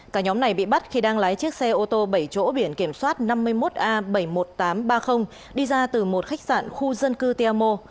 cả nhóm này bị bắt khi đang lái chiếc xe ô tô bảy chỗ biển kiểm soát năm mươi một a bảy mươi một nghìn tám trăm ba mươi đi ra từ một khách sạn khu dân cư tia mo